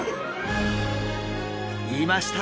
いました！